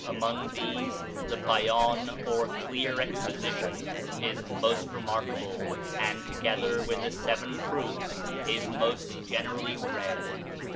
Among these the Beyan, or Clear Exposition is most remark able, and together with the Seven Proofs is most generally read.